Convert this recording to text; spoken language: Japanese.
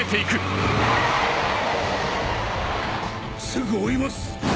すぐ追います。